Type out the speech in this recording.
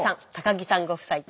木さんご夫妻と。